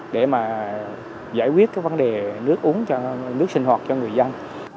để mà giải quyết cái vấn đề nước uống cho nước sinh hoạt cho người dân